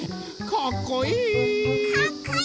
かっこいい！